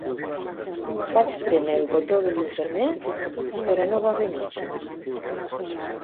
Vaig prémer el botó de l'infermer, però no va venir.